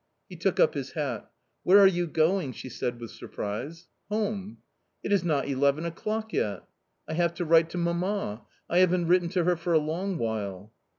He took up his hat. " Where are you going ?" she said with surprise. " Home/' " It is not eleven o'clock yet." " I have to write to mamma ; I haven't written to her for a long while."